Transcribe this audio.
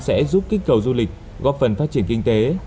sẽ giúp kích cầu du lịch góp phần phát triển kinh tế